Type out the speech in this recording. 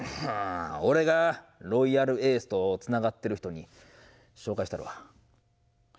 俺がロイヤルエースとつながってる人に紹介したるわ。